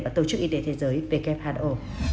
và tổ chức y tế thế giới who